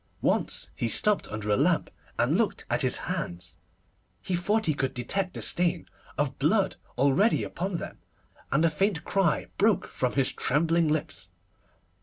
Once he stopped under a lamp, and looked at his hands. He thought he could detect the stain of blood already upon them, and a faint cry broke from his trembling lips.